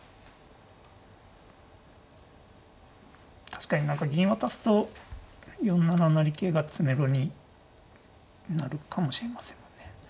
確かに何か銀渡すと４七成桂が詰めろになるかもしれませんもんね。